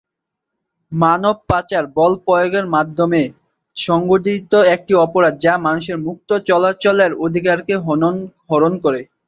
মানব পাচার বল প্রয়োগের মাধ্যমে সংঘটিত একটি অপরাধ যা মানুষের মুক্ত চলাচলের অধিকারকে হরণ করে।